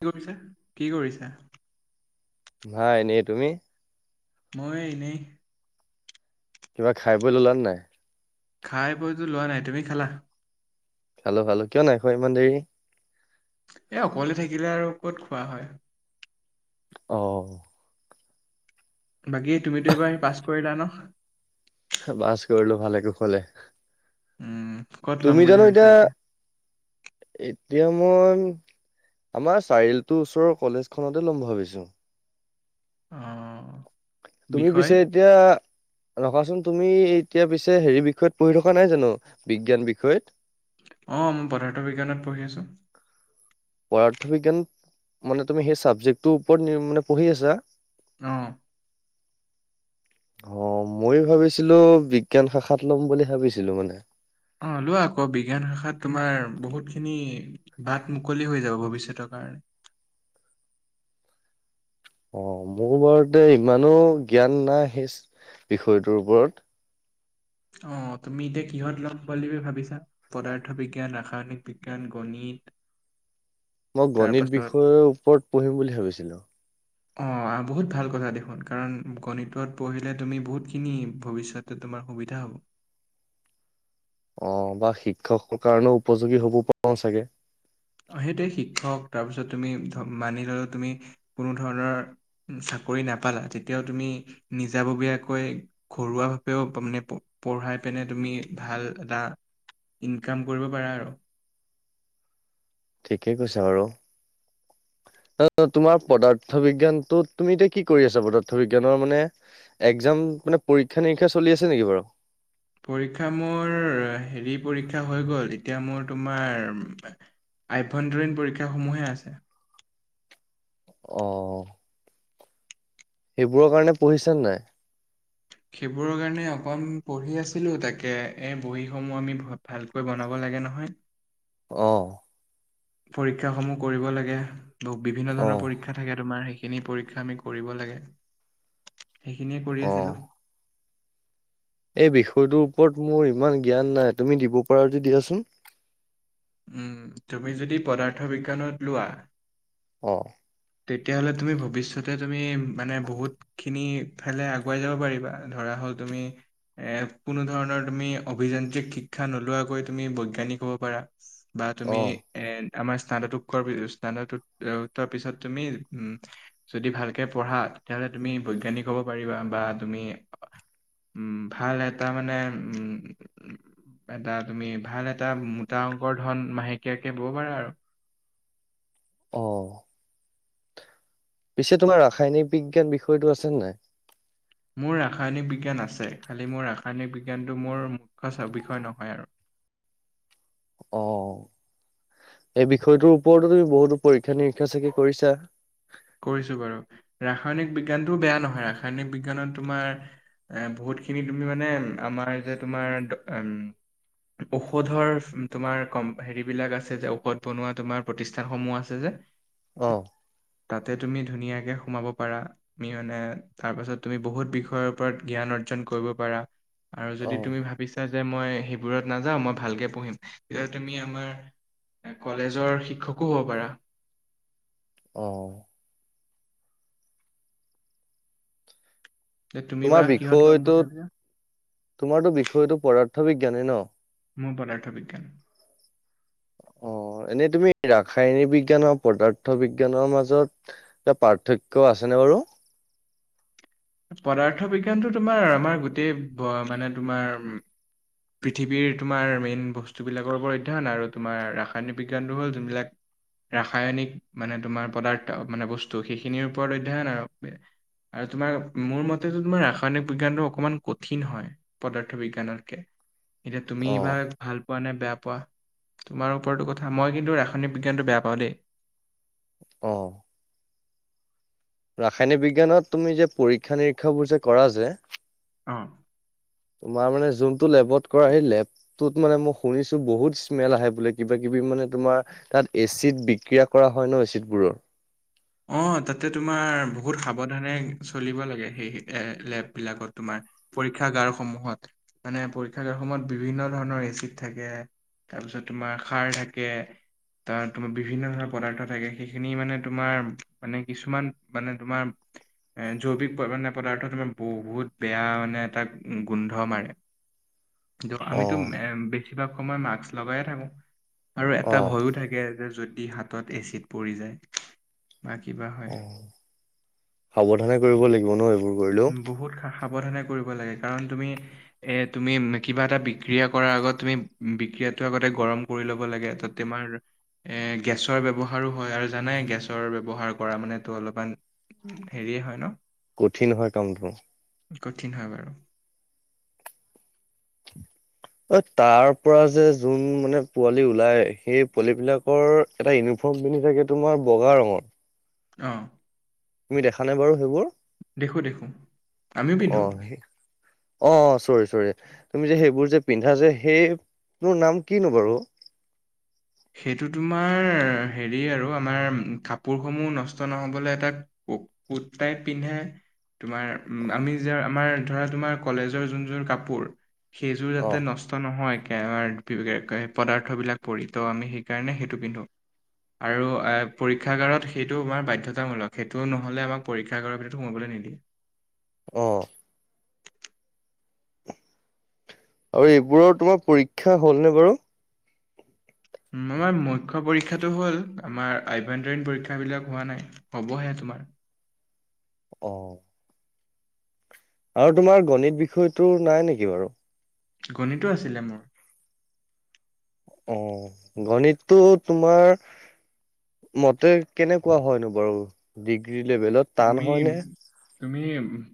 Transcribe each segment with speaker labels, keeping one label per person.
Speaker 1: কি কৰিছে কি কৰিছে?
Speaker 2: ভাই নে তুমি?
Speaker 1: ময়ে এনে
Speaker 2: কিবা খাই বই ললানে নাই?
Speaker 1: খাই বৈতো লোৱা নাই তুমি খালা?
Speaker 2: খালো খালো কিয় নাই খোৱা ইমান দেৰি?
Speaker 1: এই অকলে থাকিলে আৰু ক'ত খোৱা হয়?
Speaker 2: অ।
Speaker 1: বাকী তুমিতো এবাৰ পাছ কৰিলা ন?
Speaker 2: পাছ কৰিলো ভালে কুশলে।
Speaker 1: উম। ক'ত ল'ম
Speaker 2: তুমি
Speaker 1: বুলি
Speaker 2: জানো
Speaker 1: ভাবিছা
Speaker 2: এতিয়া এতিয়া মই আমাৰ চাৰিআলিটোৰ ওচৰৰ কলেজখনতে ল'ম ভাবিছো।
Speaker 1: অ।
Speaker 2: তুমি
Speaker 1: বিষয়?
Speaker 2: পিছে এতিয়া? ৰখাচোন তুমি এতিয়া পিছে হেৰি বিষয়ত পঢ়ি থকা নাই জানো বিজ্ঞান বিষয়ত?
Speaker 1: অ মই পদাৰ্থ বিজ্ঞানত পঢ়ি আছোঁ।
Speaker 2: পদাৰ্থ বিজ্ঞান মানে তুমি সেই চাবজেক্টটোৰ ওপৰত মানে পঢ়ি আছা।
Speaker 1: অহ।
Speaker 2: [inaudible] অ ময় ভাবিছিলো বিজ্ঞান শাখাত লম বুলি ভাবিছিলো মানে
Speaker 1: অ লোৱা আকৌ বিজ্ঞান শাখাত তোমাৰ বহুতখিনি বাট মুকলি হৈ যাব ভৱিষ্যতৰ কাৰণে।
Speaker 2: [inaudible] অ মোৰ বাৰতে ইমানো জ্ঞান নাই সেই বিষয়টোৰ ওপৰত।
Speaker 1: অ তুমি এতিয়া কিহত ল'ম বুলি ভাবিছা পদাৰ্থ বিজ্ঞান, ৰাসায়নিক বিজ্ঞান, গণিত? [inaudible]
Speaker 2: মই গণিত
Speaker 1: তাৰপাছত
Speaker 2: বিষয়ৰ ওপৰত পঢ়িম বুলি ভাবিছিলো?
Speaker 1: অ বহুত ভাল কথা দেখোন কাৰণ গণিতত পঢ়িলে তুমি বহুতখিনি ভৱিষ্যতে তোমাৰ সুবি বিধা
Speaker 2: অ বা শিক্ষকৰ কাৰণেও উপযোগী হ'ব পাৰো চাগে?
Speaker 1: সেইটোৱে শিক্ষক তাৰপিছত তুমি মানি ললে তুমি কোনো ধৰণৰ কৰি‌ নাপালা তেতিয়াও তুমি নিজাববীয়াকৈ ঘৰুৱা ভাৱেও মানে পঢ়া তেনে তুমি ভাল এটা ইনকাম কৰিব পাৰা আৰু।
Speaker 2: ঠিকেই কৈছা বাৰু। অ তোমাৰ পদাৰ্থ বিজ্ঞানটো তুমি এতিয়া কি কৰি আছা পদাৰ্থ বিজ্ঞানৰ মানে এক্জাম মানে পৰীক্ষা নিৰীক্ষা চলি আছে নেকি বাৰু?
Speaker 1: পৰীক্ষা মোৰ হেৰি পৰীক্ষা হৈ গল এতিয়া মোৰ তোমাৰ আভ্যন্তৰীণ পৰীক্ষাসমূহে আছে
Speaker 2: আহ সেইবোৰৰ কাৰণে পঢ়িছা নে নাই।
Speaker 1: সেইবোৰৰ কাৰণে অকন পঢ়ি আছিলো তাকে এ বহীসমূহ আমি ভালকৈ বনাব লাগে। লাগে নহয়?
Speaker 2: অহ।
Speaker 1: পৰীক্ষা সমূহ কৰিব লাগে ব বিভিন্ন
Speaker 2: অ
Speaker 1: ধৰণৰ পৰীক্ষা থাকে তোমাৰ সেই খিনি পৰীক্ষা আমি কৰিব লাগে, সেইখিনিয়ে কৰি
Speaker 2: অ
Speaker 1: আছিলোঁ [unintelligible]
Speaker 2: এই বিষয়টোৰ ওপৰত মোৰ ইমান জ্ঞান নাই তুমি দিব পাৰা যে দিয়াচোন।
Speaker 1: উম তুমি যদি পদাৰ্থ বিজ্ঞানত লোৱা।
Speaker 2: অ
Speaker 1: তেতিয়াহ'লে তুমি ভৱিষ্যতে তুমি মানে বহুতখিনি ইফালে আগুৱাই যাব পাৰিবা ধৰা হ'ল তুমি এ কোনো ধৰণৰ তুমি অভিযান্ত্ৰিক শিকা শিক্ষা নোলোৱাকৈ তুমি বৈজ্ঞানিক হ'ব পাৰা। বা
Speaker 2: অ
Speaker 1: তুমি এ আমাৰ স্নানতোৱৰ স্নাতটো উত্তৰ পিছত [unintelligible] তুমি উম যদি ভালকে পঢ়া তেতিয়াহলে তুমি বৈজ্ঞানিক হ'ব পাৰিবা বা তুমি উম ভাল এটাৰ মানে উম। এটা তুমি ভাল এটা মোটা অংকৰ ধন মাহেকীয়াকে লব পাৰা আৰু [unintelligible]
Speaker 2: অ পিছে তোমাৰ ৰাসায়নিক বিজ্ঞান বিষয়টো আছেনে নাই।
Speaker 1: মোৰ ৰাসায়নিক বিজ্ঞান আছে, খালি মোৰ ৰাসায়নিক বিজ্ঞানটো মোৰ মুখ্য বিষয় নহয় আৰু।
Speaker 2: আহ। এই বিষয়টোৰ ওপৰতো তুমি বহুতো পৰীক্ষা নিৰীক্ষা চাগে কৰিছা।
Speaker 1: কৰিছো বাৰু, ৰাসায়নিক বিজ্ঞানটোও বেয়া নহয় ৰাসায়নিক বিজ্ঞানত তোমাৰ। এ বহুত খিনি তুমি মানে আমাৰ যে তোমাৰ উ। ঔষধৰ তোমাৰ কম হেৰিবিলাক আছে যে ঔষধ বনোৱা তোমাৰ প্ৰতিষ্ঠানসমূহ আছে যে।
Speaker 2: আহ।
Speaker 1: তাতে তুমি ধুনীয়াকে সোমাব পাৰা, তুমি মানে তাৰ পাছত তুমি বহুত বিষয়ৰ ওপৰত জ্ঞান অৰ্জন কৰিব পাৰা। আৰু
Speaker 2: অ
Speaker 1: যদি তুমি ভাবিছা যে মই সেইবোৰত নাযাওঁ মই ভালকে পঢ়িম, তেতিয়া তুমি আমাৰ। কলেজৰ শিক্ষকো হ'ব পাৰা।
Speaker 2: অ।
Speaker 1: যে তুমি বা
Speaker 2: তোমাৰ
Speaker 1: কিহত ল'ম বুলি
Speaker 2: বিষয়টোত,
Speaker 1: ভাবিছা
Speaker 2: তোমাৰো বিষয়টো পদাৰ্থ বিজ্ঞানেই ন।
Speaker 1: মোৰ পদাৰ্থ বিজ্ঞান।
Speaker 2: অ। অ এনেই তুমি ৰাসায়নিক বিজ্ঞান, আৰু পদাৰ্থ বিজ্ঞানৰ মাজত এটা পাৰ্থক্য আছে। কেনে বাৰু।
Speaker 1: পদাৰ্থ বিজ্ঞানটো তোমাৰ আমাৰ গোটেই মানে তোমাৰ। পৃথিৱীৰ তোমাৰ মেইন বস্তুবিলাকৰ ওপৰত অধ্যয়ন আৰু তোমাৰ ৰাসায়নিক বিজ্ঞানটো হ'ল যোনবিলাক। ৰাসায়নিক মানে তোমাৰ পদাৰ্থ মানে বস্তু সেইখিনিৰ ওপৰত অধ্যানয়ন আৰু। আৰু তোমাৰ। মোৰ মতেতো তোমাৰ ৰাসায়নিক বিজ্ঞানটো অকমান কঠিন হয়, পদাৰ্থ বিজ্ঞানতকে। এতিয়া তুমি
Speaker 2: অ
Speaker 1: এইবাৰ ভাল পোৱা নে বেয়া পোৱা। তোমাৰ ওপৰতো কথা মই কিন্তু ৰাসায়নিক বিজ্ঞানটো বেয়া পাওঁ দেই।
Speaker 2: অ। ৰাসায়নিক বিজ্ঞানত তুমি যে পৰীক্ষা নিৰীক্ষাবোৰ যে কৰা যে।
Speaker 1: অ।
Speaker 2: তোমাৰ মানে যোনতটো লেবত কৰা, সেই লেবটোত মানে মই শুনিছো বহুত স্মেল আহে বোলে কিবা কিবি। মানে তোমাৰ তাত এচিড বিক্ৰিয়া কৰা হয় ন এচিডবোৰৰ।
Speaker 1: [inaudible] পৰীক্ষাগাৰ সমূহত, মানে পৰীক্ষাগাৰ সমূহত বিভিন্ন ধৰণৰ এচিড থাকে। তাৰপিছত তোমাৰ খাৰ থাকে। তাৰ তোমাৰ বিভিন্ন ধৰণৰ পদাৰ্থ থাকে সেইখিনি মানে তোমাৰ। মানে কিছুমান মানে তোমাৰ। এ জৈৱিক মানে পদাৰ্থ তোমাৰ বহুত বেয়া মানে এটা গোন্ধ মাৰে। আমিতো এ বেছিভাগ সময় মাস্ক লগাইয়ে থাকো, আৰু
Speaker 2: অ অ
Speaker 1: এটা ভয়ো থাকে। যদি হাতত এচিড পৰি যায়। বা কিবা হয়
Speaker 2: অ সাৱধানে কৰিব লাগিব ন এইবোৰ? কৰিলেও
Speaker 1: বহুত সাৱধানে কৰিব লাগে। কাৰণ তুমি, এ তুমি কিবা এটা বিক্ৰিয়া কৰাৰ আগত তুমি বিক্ৰিয়ো আগতে গৰম কৰি ল'ব লাগে এ মাৰ। এ গেছৰ ব্যৱহাৰো হয় আৰু জানাই গেছৰ ব্যৱহাৰ কৰা মানে তটো অলপমান, হেৰি সেয় হয় ন।
Speaker 2: কঠিন হয় কামটো।
Speaker 1: কঠিন হয় বাৰু।
Speaker 2: [unintelligible] অ তাৰ পৰা যে যোন মানে পোৱালি ওলাই সেই পোৱালী বিলাকৰ এটা ইউনি পিন্ধি থাকে তোমাৰ বগা ৰঙৰ।
Speaker 1: আহ।
Speaker 2: তুমি দেখা নে বাৰু সেইবোৰ?
Speaker 1: দেখো দেখো আমিও
Speaker 2: অ
Speaker 1: পিন্ধো।
Speaker 2: অ চৰি চৰি তুমি যে সেইবোৰ যে পিন্ধা যে সেই তোৰ নাম কিনো বাৰু?
Speaker 1: সেইটো তোমাৰ হেৰি আৰু আমাৰ কাপোৰসমূহ নষ্ট নহ'বলে এটা কু্তাইপিনে তোমাৰ আমি যে আমাৰ ধৰা তোমাৰ কলেজৰ যোন যোৰ কাপোৰ সেইযোৰ
Speaker 2: অ
Speaker 1: যাতে নষ্ট নহয় [inaudible] পদাৰ্থবিলাক পৰি। তো আমি সেইকাৰণে সেইটো পিন্ধো। আৰু এ পৰীক্ষাগাৰত সেইটো আমাৰ বাধ্যতামূলক। সেইটো নহ'লে আমাক পৰীক্ষাগাৰৰ ভিতৰত সোমোৱাবলে নিদিয়ে।
Speaker 2: অহ। আৰু এইবোৰৰ তোমাৰ পৰীক্ষা হ'লনে বাৰু?
Speaker 1: আমাৰ মুখ্য পৰীক্ষাটো হ'ল। আমাৰ আভয়ন্তৰীণ পৰীক্ষা বিলাক হোৱা নাই। হ'ব হে। মাৰ
Speaker 2: অ। আৰু তোমাৰ গণিত বিষয়তটো নাই নেকি বাৰু?
Speaker 1: গণিতটো আছিলে মোৰ।
Speaker 2: অ গণিতটো তোমাৰ মতে কেনেকুৱা হয়নো বাৰু? দিগ লেভেলত টান
Speaker 1: তুমি
Speaker 2: হয় নে?
Speaker 1: তুমি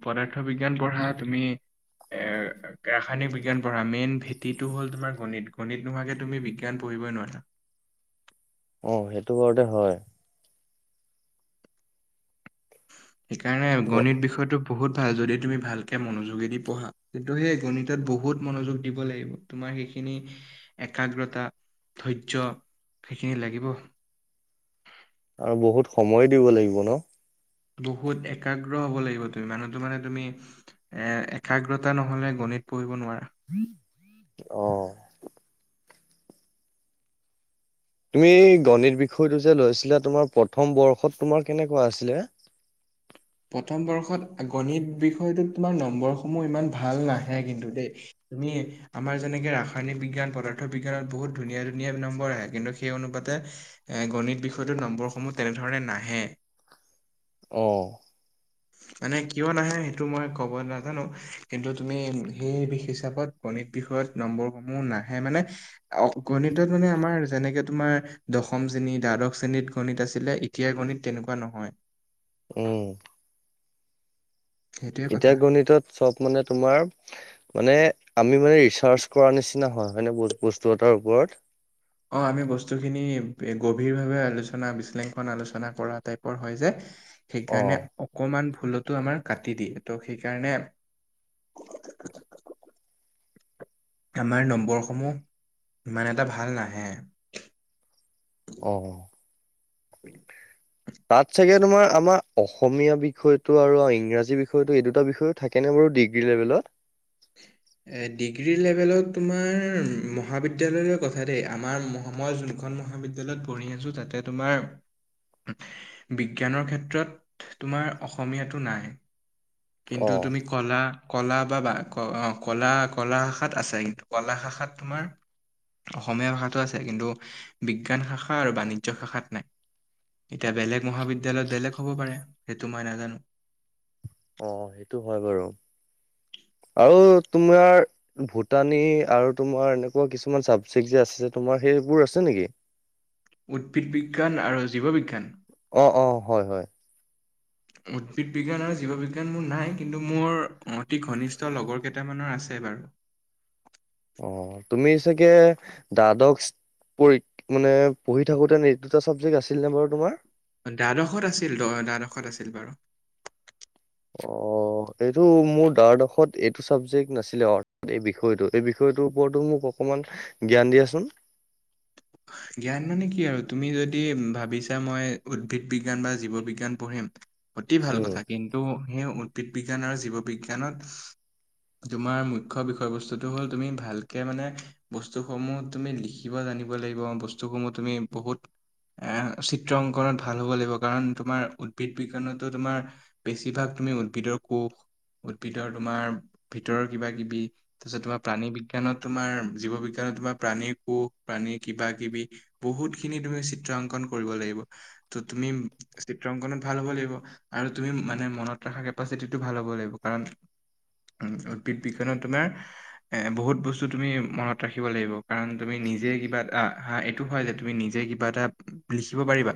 Speaker 1: পদাৰ্থ বিজ্ঞান পঢ়া তুমি এ ৰাসায়নিক বিজ্ঞান পঢ়া মেইন ভেটিটো হ'ল তোমাৰ গণিত। গণিত নোহোৱাকে তুমি বিজ্ঞান কৰিবই নোৱাৰা।
Speaker 2: অ সেইটো কৰতে হয়।
Speaker 1: সেইকাৰণে গণিত বিষয়টো বহুত ভাল যদি তুমি ভালকে মনোযোগেদি পঢ়া। কিন্তু সেই গণিতত বহুত মনোযোগ দিব লাগিব, তোমাৰ ৰ সেইখিনি একাগ্ৰতা, ধৈৰ্য সেইখিনি লাগিব।
Speaker 2: আৰু বহুত সময় দিব লাগিব ন?
Speaker 1: বহুত একাগ্ৰ হ'ব লাগিব তুমি, মানুহটো মানে তুমি এ একাগ্ৰতা নহলে গ নিত পঢ়িব নোৱাৰা।
Speaker 2: অ'। তুমি গণিত বিষয়টো যে লৈছিলা তোমাৰ প্ৰথম বৰ্ষত তোমাৰ কেনেকুৱা আছিলে? [inaudible]
Speaker 1: প্ৰথম বৰ্ষত গণিত বিষয়টোত তোমাৰ নম্বৰসমূহ ইমান ভাল নাহে কিন্তু দেই। তুমি মি আমাৰ যেনেকৈ ৰাসায়নিক বিজ্ঞান, পদাৰ্থ বিজ্ঞানত বহুত ধুনীয়া - ধুনীয়া নম্বৰ আহে। কিন্তু সেই অনুপাতে এ গণিত বিষয়টোত নম্বৰসমূহ তেনেধৰণে নাহে।
Speaker 2: অ'।
Speaker 1: মানে কিয় নাহে সেইটো মই ক'ব নাজানোঁ। কিন্তু তুমি সেই বি- হিচাপত গণিত বিষ ত নম্বৰসমূহ নাহে, মানে অ'- গণিতত মানে আমাৰ যেনেকে তোমাৰ দশম শ্ৰেণী দ্বাদশ শ্ৰেণীত গণিত আছিলে, এতিয়াৰ গণিত তেনেকুৱা নহয়।
Speaker 2: [inaudible]
Speaker 1: সেইটোৱে
Speaker 2: এতিয়া
Speaker 1: কথা।
Speaker 2: গণিতত চব মানে তোমাৰ মানে আমি মানে ৰি ছাৰ্চ কৰা নিচিনা হয়, হয়নে ব- বস্তু এটাৰ ওপৰত?
Speaker 1: অ' আমি বস্তুখিনি বে- গভীৰভাৱে আলোচনা বিশ্লেষণ আলোচনা কৰা টাইপৰ হয় যে।
Speaker 2: অ
Speaker 1: সেইকাৰণে অকমান ভুলতো আমাৰ কাটি দিয়ে, তো সেইকাৰণে আমাৰ নম্বৰসমূহ ইমান এটা ভাল নাহে।
Speaker 2: অ'।
Speaker 1: [inaudible]
Speaker 2: তাত চাগে তোমাৰ আমাৰ অসমীয়া বিষয়টো আৰু ইংৰাজী বিষয়টো এই দুটা বিষয়ো থাকে নে বাৰু ডিগ্ৰী লেভেলত?
Speaker 1: [inaudible] এ ডিগ্ৰী লেভেলত তোমাৰ মহাবিদ্যালয় লৈ কথা দেই। আমাৰ মহ- মই যোন খন মহাবিদ্যালয়ত পঢ়ি আছোঁ, তাতে তোমাৰ বিজ্ঞানৰ ক্ষেত্ৰত তোমাৰ অসমীয়াটো নাই। কিন্তু
Speaker 2: অ
Speaker 1: তুমি কলা- কলা বা- বা ক- অ' কলা- কলা শাখাত আছে কিন্তু। কলা শাখাত তোমাৰ অসমীয়া ভাষাটো আছে, কিন্তু বিজ্ঞান শাখা আৰু বাণিজ্য শাখাত নাই। এতিয়া বেলেগ মহাবিদ্যালয়ত বেলেগ হ'ব পাৰে। সেইটো মই নাজানোঁ।
Speaker 2: অ' সেইটো হয় বাৰু। আৰু তোমাৰ ভূটানী আৰু তোমাৰ এনেকুৱা কিছুমান চাবজেক্ট যে আছে, তোমাৰ সে সেইবোৰ আছে নেকি?
Speaker 1: উদ্ভিদ বিজ্ঞান আৰু জীৱ বিজ্ঞান?
Speaker 2: অ', অ', হয় - হয়।
Speaker 1: উদ্ভিদ বিজ্ঞান আৰু জীৱ বিজ্ঞান মোৰ নাই, কিন্তু মোৰ অতি ঘনিষ্ঠ লগৰ কেইটামানৰ আ ছে বাৰু।
Speaker 2: [inaudible] অ', তুমি চাগে দ্বাদশ পঢ়ি- মানে পঢ়ি থাকোঁতে নে এই দুটা চাবজেক্ট আছিল নে বাৰু তোমাৰ?
Speaker 1: দ্বাদশত আছিল, দ- দ্বাদশত আছিল বাৰু।
Speaker 2: অ' অ' এইটো মোৰ দ্বাৰদশত এইটো ছাবজেক্ট নাছিলে অৰ- এই বিষয়টো। এই বিষয়টোৰ ওপৰতো মোক অকমান জ্ঞান দিয়াচোন।
Speaker 1: জ্ঞান মানে কি আৰু? তুমি যদি ভাবিছা, মই উদ্ভিদ বিজ্ঞান বা জীৱ বিজ্ঞান পঢ়িম অতি ভাল
Speaker 2: উম,
Speaker 1: কথা। কিন্তু সেই উদ্ভিদ বিজ্ঞান আৰু জীৱ বিজ্ঞানত তোমাৰ মুখ্য বিষয়-বস্তুটো হ'ল, তুমি ভালকে মানে বস্তুসমূহ তুমি লিখিব জানি ব লাগিব, বস্তুসমূহ তুমি বহুত এ চিত্ৰ অংকনত ভাল হ'ব লাগিব, কাৰণ তোমাৰ উদ্ভিদ বিজ্ঞানতো তোমাৰ বেছিভাগ তুমি উদ্ভিদৰ কোষ উদ্ভিদৰ তোমাৰ ভিতৰৰ কিবা-কিবি, তাৰপিছত তোমাৰ প্ৰাণী বিজ্ঞানত তোমাৰ জীৱ বিজ্ঞান তোমাৰ প্ৰাণী কোখ প্ৰাণী কিবা কিবি বহুত খিনি তুমি চিত্ৰ অংকন কৰিব লাগিব ত তুমি- ত ভাল হ'ব লাগিব আৰু তুমি মানে মনত ৰখা কেপাচিটিটো ভাল হ'ব লাগিব কাৰণ- উদ্ভিদ বিজ্ঞানত তোমাৰ এ বহুত বস্তু তুমি মনত ৰাখিব লাগিব কাৰণ তুমি নিজে। কিবা হা এইটো হয় যে তুমি নিজে কিবা এটা লিখিব পাৰিবা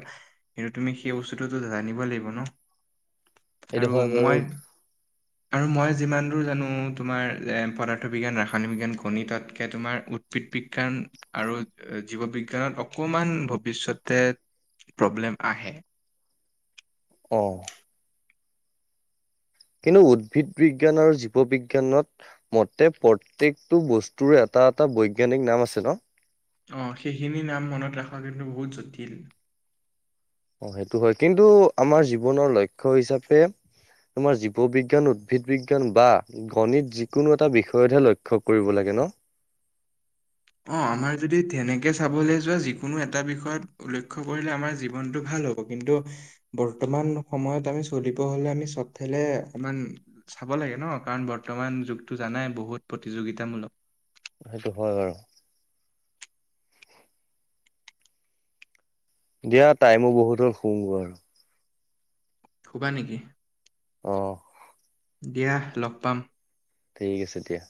Speaker 1: কিন্তু তুমি সেই বস্তুটো- জানিব লাগিব ন-
Speaker 2: [inaudible]
Speaker 1: আৰু
Speaker 2: হয় বাৰু
Speaker 1: মই আৰু মই যিমান দূৰ জানো তোমাৰ পদাৰ্থ বিজ্ঞান, ৰাসায়নিক বিজ্ঞান গণিততকৈ তোমাৰ উদ্ভিদ বিজ্ঞান- আৰু জীৱ বিজ্ঞানত অকমান ভৱিষ্যতে- প্ৰব্লেম আহে।
Speaker 2: আহ কিন্তু উদ্ভিদ বিজ্ঞান আৰু জীৱ বিজ্ঞানত মতে প্ৰত্যেকটো বস্তুৰে। এটা এটা বৈজ্ঞানিক নাম আছে ন।
Speaker 1: অ সেইখিনি নাম মনত ৰাখা কিন্তু বহুত জটিল
Speaker 2: অ সেইটো হয় কিন্তু আমাৰ জীৱনৰ লক্ষ্য হিচাপে- তোমাৰ জীৱ বিজ্ঞান উদ্ভিদ বিজ্ঞান বা গণিত যিকোনো এটা বিষয়তহে লক্ষ্য কৰিব লাগে। হয় ন
Speaker 1: অ আমাৰ যদি তেনেকে চাবলৈ যোৱা যিকোনো এটা বিষয়ত উল্ক্ষ্ কৰিলে আমাৰ জীৱনটো ভাল। ভাল হ'ব কিন্তু বৰ্তমান সময়ত আমি চলিব হলে আমি চবফালে আমান চাব লাগে ন কাৰণ বৰ্তমান যুগটো জানাই বহুত প্ৰতিযোগিতামূলক
Speaker 2: সেইটো হয় বাৰু দিয়া টাইমো বহুত হ'ল শুমগ আৰু
Speaker 1: হুবা নেকি
Speaker 2: অ
Speaker 1: দিয়া লগ পাম
Speaker 2: ঠিক আছে দতিয়া